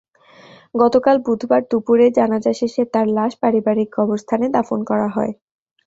গতকাল বুধবার দুপুরে জানাজা শেষে তাঁর লাশ পারিবারিক কবরস্থানে দাফন করা হয়।